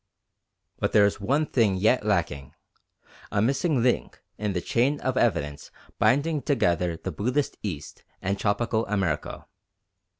But there is one thing yet lacking, a missing link in the chain of evidence binding together the Buddhist East and Tropical America.